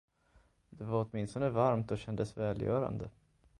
Det var åtminstone varmt och kändes välgörande.